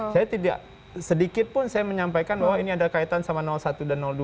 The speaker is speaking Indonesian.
saya tidak sedikit pun saya menyampaikan bahwa ini ada kaitan sama satu dan dua